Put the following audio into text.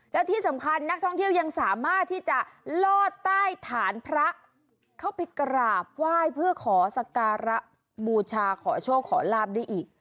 แล้วที่สำคัญนักท่องเที่ยวยังสามารถที่จะลอดใต้ฐานพระเข้าไปกราบไหว้เพื่อขอสการะบูชาขอโชคขอลาบได้อีก